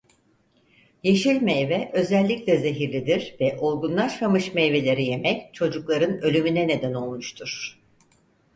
Yeşil meyve özellikle zehirlidir ve olgunlaşmamış meyveleri yemek çocukların ölümüne neden olmuştur.